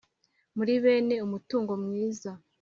Muri bene umutungo mwiza